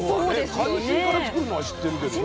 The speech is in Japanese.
海水からつくるのは知ってるけどね。